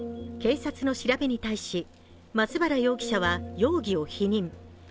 警察の調べに対し、松原容疑者は容疑を否認。